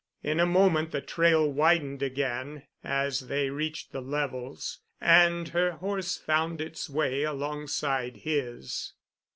In a moment the trail widened again as they reached the levels, and her horse found its way alongside his.